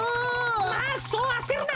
まあそうあせるな。